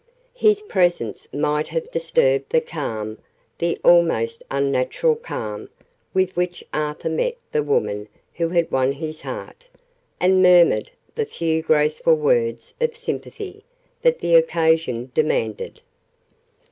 His presence might have disturbed the calm the almost unnatural calm with which Arthur met the woman who had won his heart, and murmured the few graceful words of sympathy that the occasion demanded.